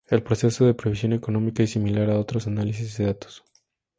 El proceso de previsión económica es similar a otros análisis de datos.